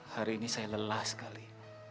hari ini saya lelah sekali